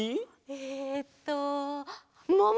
えっともも！